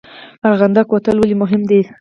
ارغنده کوتل ولې مهم دی؟